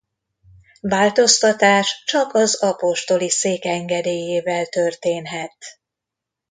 Változtatás csak az apostoli szék engedélyével történhet.